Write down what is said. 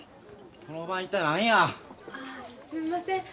すんません。